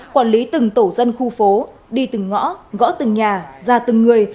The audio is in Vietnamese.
quản lý từng tổ dân khu phố đi từng ngõ gõ từng nhà ra từng người